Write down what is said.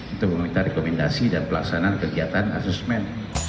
untuk meminta rekomendasi dan pelaksanaan kegiatan asesmen